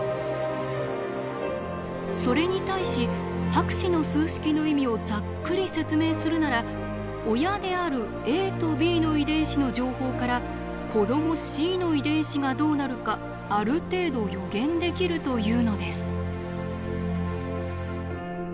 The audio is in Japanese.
それに対し博士の数式の意味をざっくり説明するなら親であるａとｂの遺伝子の情報から子どもｃの遺伝子がどうなるかある程度予言できるというのです。